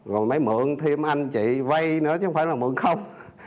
rồi mới mượn thêm anh chị vay nữa chứ không phải là mượn không